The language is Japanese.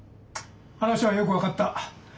話はよく分かった。